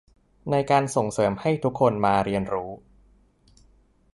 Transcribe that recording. ในการส่งเสริมให้ทุกคนมาเรียนรู้